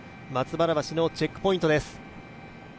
松原橋のチェックポイントです。